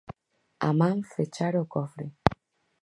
A man fechara o cofre.